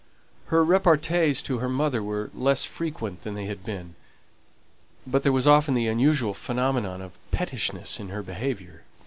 Her repartees to her mother were less frequent than they had been, but there was often the unusual phenomenon of pettishness in her behaviour to her.